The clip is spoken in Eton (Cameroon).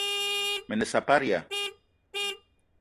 Me ne saparia !